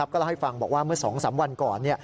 ก็เล่าให้ฟังบอกว่าเมื่อ๒๓วันก่อน